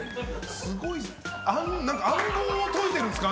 すごい。暗号を解いてるんですか？